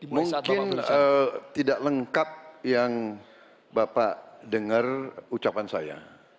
mungkin tidak lengkap yang bapak dengar ucapan saya